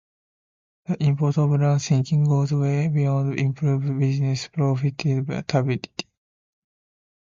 The import of lean thinking goes way beyond improving business profitability.